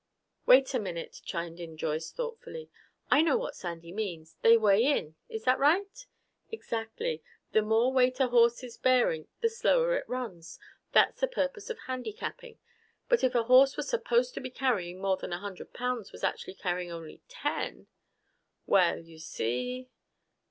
"Wait a minute!" chimed in Joyce thoughtfully. "I know what Sandy means. They weigh in. Is that right?" "Exactly! The more weight a horse is bearing, the slower it runs. That's the purpose of handicapping. But if a horse that was supposed to be carrying more than a hundred pounds was actually only carrying ten Well, you see?"